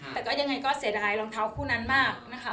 แต่ก็ยังไงก็เสียดายรองเท้าคู่นั้นมากนะคะ